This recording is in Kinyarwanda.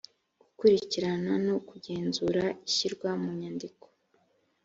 gukurikirana no kugenzura ishyirwa munyandiko